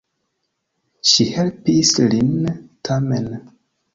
Ŝi helpis lin, tamen.